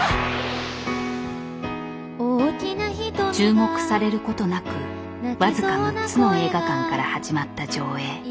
注目される事なく僅か６つの映画館から始まった上映。